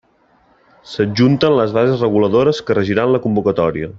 S'adjunten les bases reguladores que regiran la convocatòria.